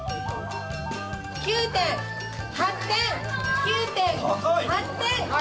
９点、８点、９点、８点。